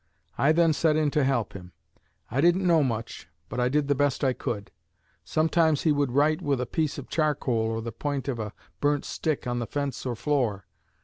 I then set in to help him. I didn't know much, but I did the best I could. Sometimes he would write with a piece of charcoal or the p'int of a burnt stick on the fence or floor.